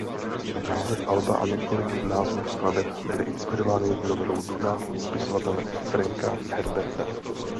Název alba a několik názvů skladeb byly inspirovány novelou "Duna" spisovatele Franka Herberta.